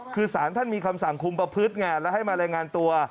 คือสารท่านมีคำสั่งคุมประพฤติไงแล้วให้มารายงานตัว